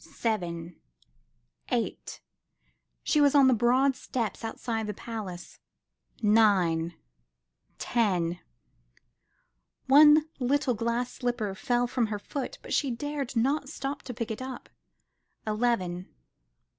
Seven! Eight! She was on the broad steps outside the palace. Nine ! Ten ! One little glass slipper fell from her foot, but she dared not stop to pick it up. Eleven!